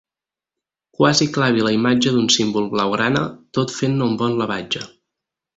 Quasi clavi la imatge d'un símbol blaugrana, tot fent-ne un bon lavatge.